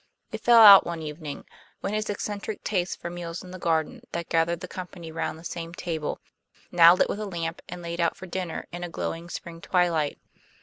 It fell out one evening, when his eccentric taste for meals in the garden that gathered the company round the same table, now lit with a lamp and laid out for dinner in a glowing spring twilight.